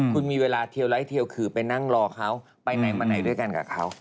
คุณมีเวลาเทียวไลท์เทียวคือไปนั่งรอเขาไปไหนมาไหนด้วยกันกับเขา